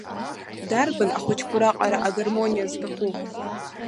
Дарбан ахәыҷқәа раҟара агармониа зҭаху?!